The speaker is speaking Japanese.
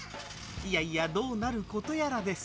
いやいやどうなることやらです